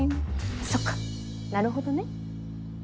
そっかなるほどね。